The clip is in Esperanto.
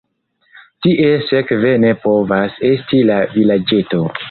Tie sekve ne povas esti la vilaĝeto.